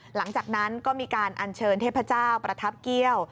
หลังจากนั้นก็มีการอัญเชิญเทพเจ้าประทับเกี่ยว